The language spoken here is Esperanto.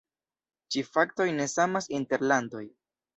Ĉi faktoj ne samas inter landoj.